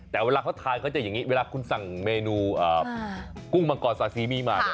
แต่เวลาเขาทานเขาจะอย่างนี้เวลาคุณสั่งเมนูกุ้งมังกรสาซีมีมาเนี่ย